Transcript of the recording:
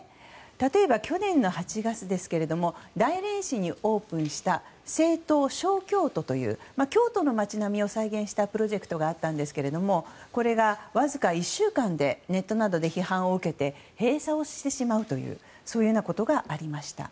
例えば去年８月ですけども大連市にオープンした盛唐・小京都という京都の街並みを再現したプロジェクトがあったんですがこれがわずか１週間でネットなどで批判を受けて閉鎖をしてしまうということがありました。